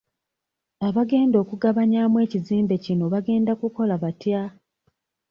Abagenda okugabanyaamu ekizimbe kino bagenda kukola batya?